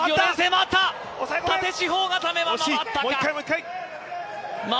縦四方固めは回ったか。